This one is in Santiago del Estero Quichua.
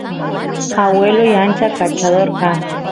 agueloy ancha kachador kan